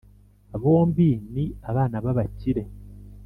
bombi ni abana b’abakire